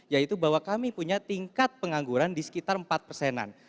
yaitu bahwa kami punya tingkat pengangguran di sekitar empat persenan